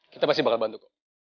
kita pasti bakal bantu kok